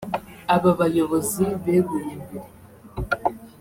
Aba bayobozi beguye mbere